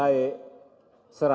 yang kini ternyata berapa